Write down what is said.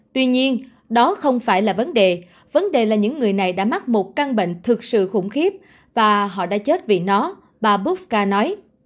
tuy nhiên đó không phải là vấn đề vấn đề là những người này đã mắc một căn bệnh thực sự khủng khiếp và họ đã chết vì nó bà boodca nói